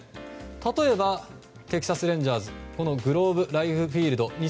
例えば、テキサス・レンジャーズグローブ・ライフ・フィールド。